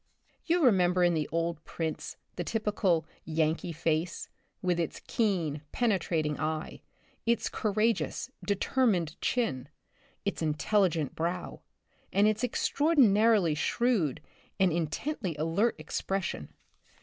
You remember in the old prints the typical " Yankee *' face, with its keen, penetrating eye, its courageous, determined chin, its intelligent brow, and its extraordinarily shrewd and in tently alert expression.